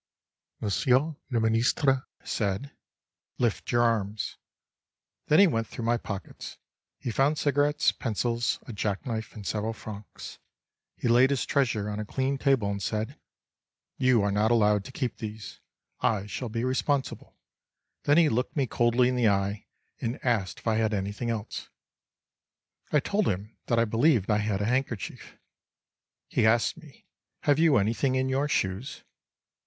Monsieur le Ministre said: "Lift your arms." Then he went through my pockets. He found cigarettes, pencils, a jack knife and several francs. He laid his treasures on a clean table and said: "You are not allowed to keep these. I shall be responsible." Then he looked me coldly in the eye and asked if I had anything else? I told him that I believed I had a handkerchief. He asked me: "Have you anything in your shoes?"